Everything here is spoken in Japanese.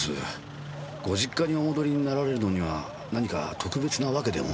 ご実家にお戻りになられるのには何か特別な訳でも？